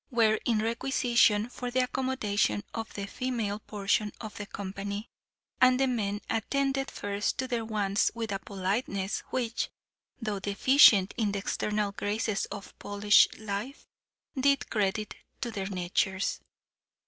were in requisition for the accommodation of the female portion of the company, and the men attended first to their wants with a politeness which, though deficient in the external graces of polished life, did credit to their natures.